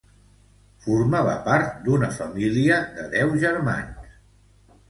Formava part d'una família de deu germans.